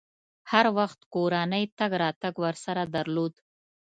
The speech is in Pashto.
هر وخت کورنۍ تګ راتګ ورسره درلود.